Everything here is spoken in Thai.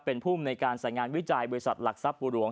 เป็นภูมิในการสายงานวิจัยบริษัทหลักทรัพย์บุหลวง